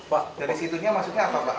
wah dari situnya maksudnya apa pak